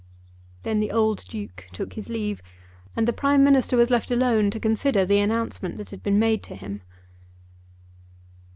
Then the old Duke took his leave, and the Prime Minister was left alone to consider the announcement that had been made to him.